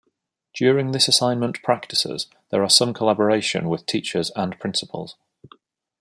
During this assignment practices, there are some collaboration with teachers and principals.